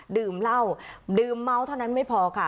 ดื่มเหล้าดื่มเมาเท่านั้นไม่พอค่ะ